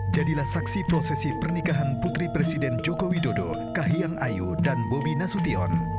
jadilah saksi prosesi pernikahan putri presiden joko widodo kahiyang ayu dan bobi nasution